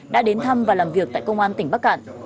đã đến thăm và làm việc tại công an tỉnh bắc cạn